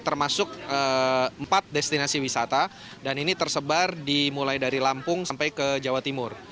termasuk empat destinasi wisata dan ini tersebar dimulai dari lampung sampai ke jawa timur